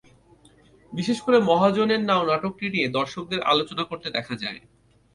বিশেষ করে মহাজনের নাও নাটকটি নিয়ে দর্শকদের আলোচনা করতে দেখা যায়।